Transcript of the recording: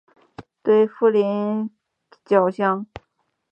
对富纳角箱鲀的繁殖的研究很彻底。